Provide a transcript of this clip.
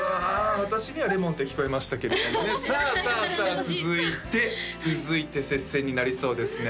私には「レモン」って聞こえましたけれどもねさあさあさあ続いて続いて接戦になりそうですね